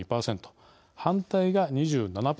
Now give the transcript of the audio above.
反対が２７％。